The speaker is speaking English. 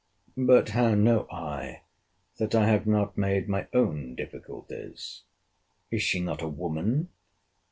But how know I, that I have not made my own difficulties? Is she not a woman!